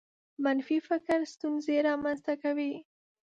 منفي فکر ستونزې رامنځته کوي.